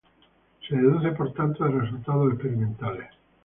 Se deduce, por tanto, de resultados experimentales.